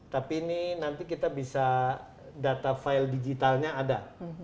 tapi ini nanti kita bisa data file digitalnya ada